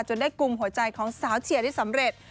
ได้กลุ่มหัวใจของสาวเชียร์ได้สำเร็จ